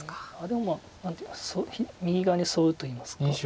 でも何ていうか右側にソウといいますか。